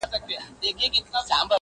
• په لړمانو په مارانو کي به شپې تېروي -